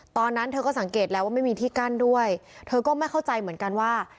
ตอนนั้นเธอก็สังเกตแล้วว่าไม่มีที่กั้นด้วยเธอก็ไม่เข้าใจเหมือนกันว่า